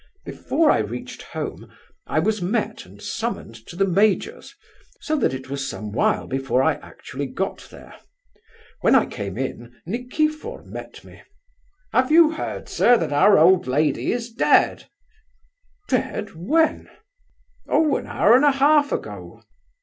"Before I reached home I was met and summoned to the major's, so that it was some while before I actually got there. When I came in, Nikifor met me. 'Have you heard, sir, that our old lady is dead?' 'dead, when?' 'Oh, an hour and a half ago.